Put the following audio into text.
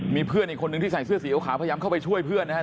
มีเพื่อนอีกคนนึงที่ใส่เสื้อสีขาวพยายามเข้าไปช่วยเพื่อนนะฮะ